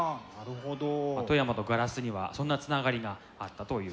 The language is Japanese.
富山とガラスにはそんなつながりがあったということです。